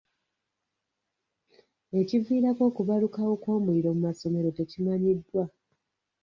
Ekiviirako okubalukawo kw'omuliro mu masomero tekimanyiddwa.